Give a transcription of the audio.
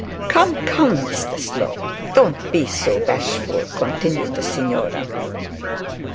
'Come, come, Mr Slope, don't be so bashful,' continued the signora.